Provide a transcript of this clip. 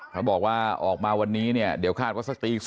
เขาบอกว่าออกมาวันนี้เนี่ยเดี๋ยวคาดก็สักตีสี่นาทีนะครับ